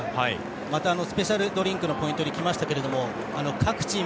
またスペシャルドリンクのポイントに来ましたが各チーム